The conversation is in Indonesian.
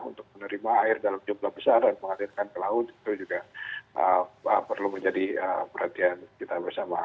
untuk menerima air dalam jumlah besar dan mengalirkan ke laut itu juga perlu menjadi perhatian kita bersama